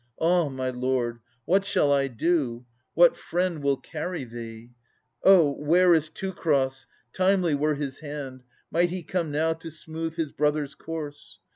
Ah, my lord ! What shall I do ? What friend will carry thee ? Oh, where is Teucer ! Timely were his hand, Might he come now to smooth his brother's corse.